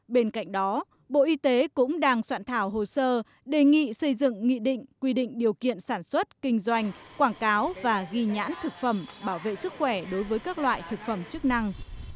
bên cạnh đó bộ y tế cũng đang soạn thảo hồ sơ đề nghị xây dựng nghị định quy định điều kiện sản xuất kinh doanh quảng cáo và ghi nhãn thực phẩm bảo vệ sức khỏe đối với các loại thực phẩm chức năng